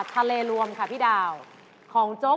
อ๋อนี่คือร้านเดียวกันเหรออ๋อนี่คือร้านเดียวกันเหรอ